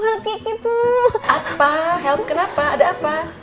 apa help kenapa ada apa